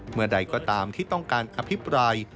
เมื่อใดก็ตามที่ต้องการอภิปราย